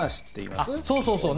そうそうそう。